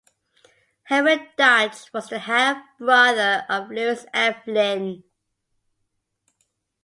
Henry Dodge was the half brother of Lewis F. Linn.